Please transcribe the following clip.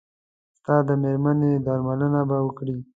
ستا د مېرمنې درملنه به وکړي.